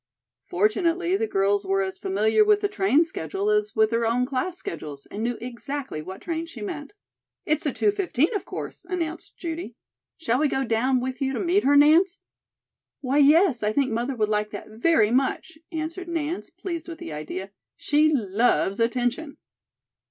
Fortunately, the girls were as familiar with the train schedule as with their own class schedules, and knew exactly what train she meant. "It's the two fifteen, of course," announced Judy. "Shall we go down with you to meet her, Nance?" "Why, yes; I think mother would like that very much," answered Nance, pleased with the idea. "She loves attention."